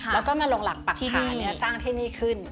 แล้วก็มาลงหลักปรักฐานสร้างที่นี่ขึ้น